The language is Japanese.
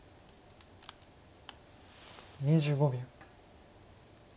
２５秒。